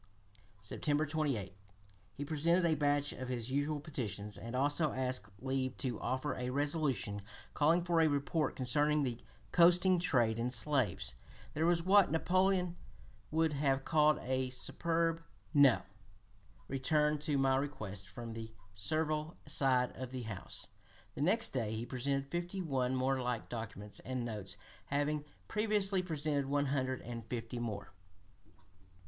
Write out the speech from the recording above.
September 28 he presented a batch of his usual petitions, and also asked leave to offer a resolution calling for a report concerning the coasting trade in slaves. "There was what Napoleon would have called a superb NO! returned to my request from the servile side of the House." The next day he presented fifty one more like documents, and notes having previously presented one hundred and fifty more.